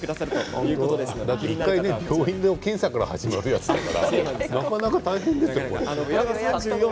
病院の検査から始まるやつだから、なかなか大変だよね。